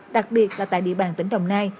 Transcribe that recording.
đặc biệt là tại địa bàn tỉnh đồng nai